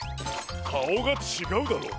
かおがちがうだろう。